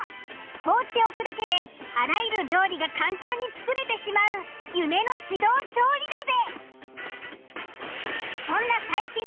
放っておくだけであらゆる料理が簡単に作れてしまう夢の自動調理鍋。